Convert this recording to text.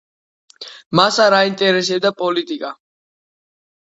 მას არ აინტერესებდა პოლიტიკა.